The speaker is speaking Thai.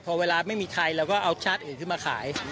พอเวลาไม่มีไทยเราก็เอาชาติอื่นขึ้นมาขาย